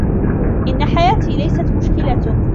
إنّ حياتي ليست مشكلتك.